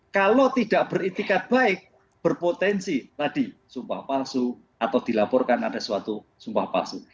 jadi kalau tidak beretikat baik berpotensi tadi sumpah palsu atau dilaporkan ada suatu sumpah palsu